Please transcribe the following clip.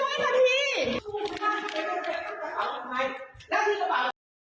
อะไรอ่ะกระเป๋าเราว่ะ